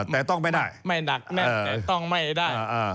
แต่ต้องไม่ได้ไม่หนักแน่นแต่ต้องไม่ได้